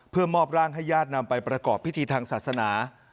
เพื่อมอบร่างให้ญาตินำไปประกอบพิธีทางศาสนา